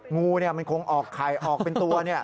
งูมันคงออกไข่ออกเป็นตัว